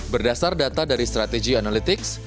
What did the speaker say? berdasar data dari strategy analytics